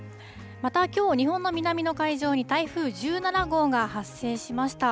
またきょう、日本の南の海上に台風１７号が発生しました。